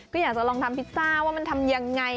ก็อยากจะลองทำพิซซ่าว่ามันทำยังไง